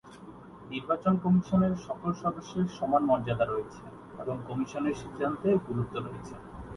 নির্বাচন কমিশনের সকল সদস্যের সমান মর্যাদা রয়েছে এবং কমিশনের সিদ্ধান্তে গুরুত্ব রয়েছে।